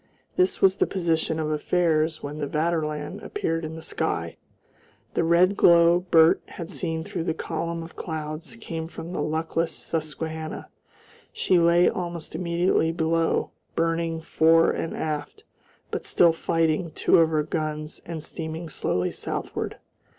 This was the position of affairs when the Vaterland appeared in the sky. The red glow Bert had seen through the column of clouds came from the luckless Susquehanna; she lay almost immediately below, burning fore and aft, but still fighting two of her guns and steaming slowly southward.